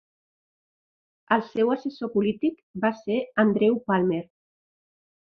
El seu assessor polític va ser Andrew Palmer.